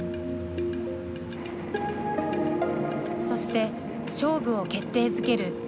そして勝負を決定づける